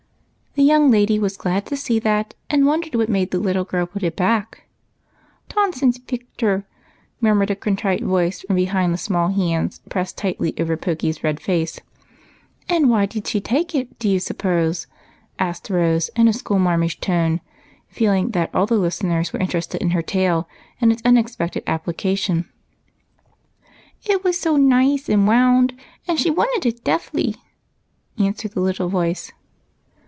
The young lady was glad to see that, and wondered what made the little girl put it back." " Tonscience j^'icked her," murmured a contrite voice from behind the small hands j^ressed tightly over Pokey's red face. "And why did she take it, do you suppose?" asked Rose, in a school marmish tone, feeling that all the listeners were interested in her tale and its unexpected application. " It was so nice and wound, and she wanted it deffly," answered the little voice.